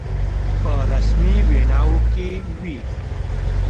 په رسمي ویناوو کې وي.